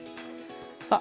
さあ